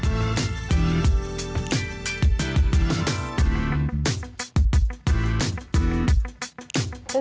seneng banget kayak wow